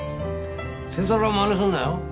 星太郎はまねするなよ。